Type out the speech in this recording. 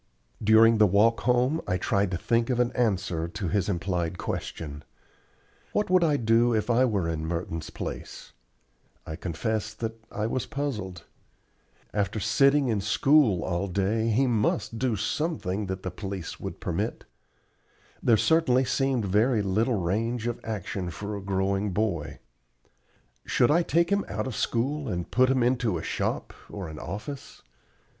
During the walk home I tried to think of an answer to his implied question. What would I do if I were in Merton's place? I confess that I was puzzled. After sitting in school all day he must do something that the police would permit. There certainly seemed very little range of action for a growing boy. Should I take him out of school and put him into a shop or an office?